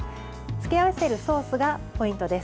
つけ合わせるソースがポイントです。